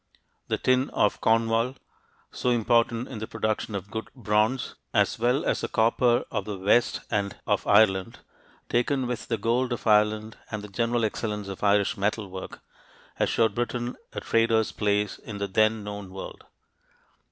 The tin of Cornwall so important in the production of good bronze as well as the copper of the west and of Ireland, taken with the gold of Ireland and the general excellence of Irish metal work, assured Britain a trader's place in the then known world.